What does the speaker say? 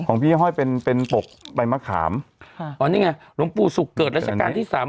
พี่ห้อยเป็นเป็นปกใบมะขามค่ะอ๋อนี่ไงหลวงปู่ศุกร์เกิดรัชกาลที่สาม